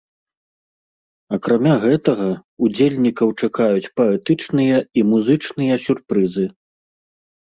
Акрамя гэтага, удзельнікаў чакаюць паэтычныя і музычныя сюрпрызы.